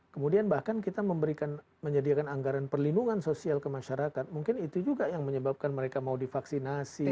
kemudian bahkan kita memberikan menyediakan anggaran perlindungan sosial ke masyarakat mungkin itu juga yang menyebabkan mereka mau divaksinasi